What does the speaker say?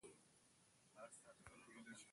هیلې مې د زمان تر دوړو لاندې ښخې شوې.